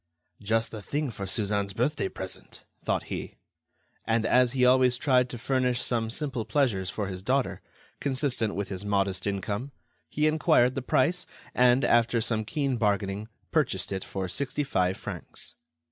"Just the thing for Suzanne's birthday present," thought he. And as he always tried to furnish some simple pleasures for his daughter, consistent with his modest income, he enquired the price, and, after some keen bargaining, purchased it for sixty five francs.